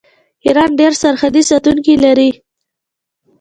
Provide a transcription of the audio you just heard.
ایران ډیر سرحدي ساتونکي لري.